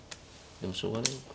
でもしょうがないのか。